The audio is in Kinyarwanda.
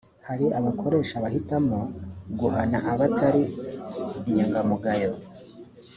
hari abakoresha bahitamo guhana abatari inyangamugayo